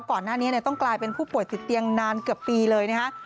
ก่อนหน้านี้ต้องกลายเป็นผู้ป่วยติดเตียงนานเกือบปีเลยนะคะ